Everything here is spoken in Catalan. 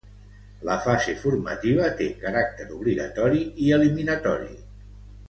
La fase formativa té caràcter obligatori i eliminatori.